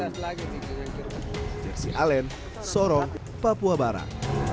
jersi allen sorong papua barat